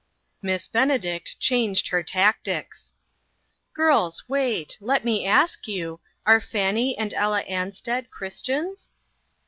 Miss Benedict changed her tactics: " Girls, wait ; let me ask you, are Fannie and Ella Ansted Christians?"